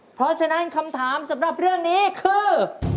เพราะฉะนั้นคำถามสำหรับเรื่องนี้คือ